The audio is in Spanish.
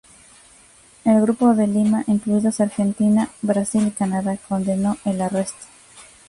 El Grupo de Lima, incluidos Argentina, Brasil y Canadá, condenó el arresto.